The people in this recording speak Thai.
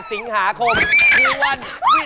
๑๘สิงหาคมคือวัน